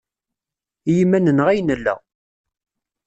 I yiman-nneɣ ay nella.